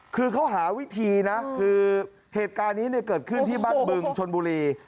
คือเขาหาวิธีนะคือเหตุการณ์นี้เกิดขึ้นที่บ้านบึงชนบุรี